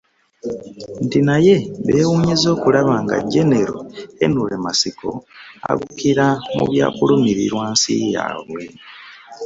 Nti naye beewuunyizza okulaba nga jjenero Henry Matsiko aggukira mu byakulumirirwa nsi yaabwe